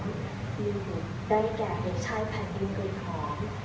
มีหนุ่มใดแก่เอกช่ายแผ่นท่านตื่นหอม